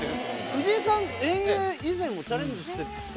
藤井さん、遠泳、以前もチャレンジしてる？